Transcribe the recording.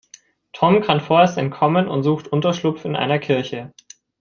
Tom kann vorerst entkommen und sucht Unterschlupf in einer Kirche.